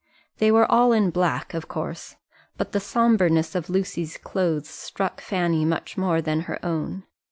They were all in black, of course; but the sombreness of Lucy's clothes struck Fanny much more than her own.